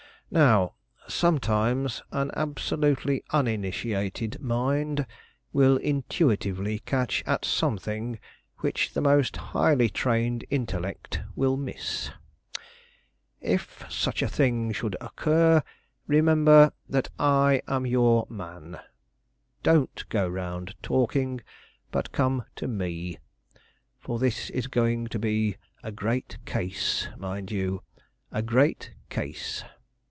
Now sometimes an absolutely uninitiated mind will intuitively catch at something which the most highly trained intellect will miss. If such a thing should occur, remember that I am your man. Don't go round talking, but come to me. For this is going to be a great case, mind you, a great case.